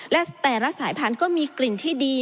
และแต่ละสายพันธุ์ก็มีกลิ่นที่ดี